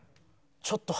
ちょっと。